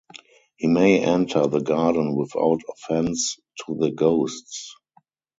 He may enter the garden without offense to the ghosts.